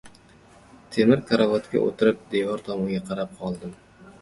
Temir karavotga o‘tirib, devor tomonga qarab oldim.